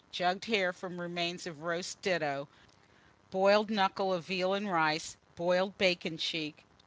Jugged hare, from remains of roast ditto; boiled knuckle of veal and rice; boiled bacon cheek.